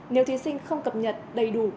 nếu thí sinh không cập nhật đầy đủ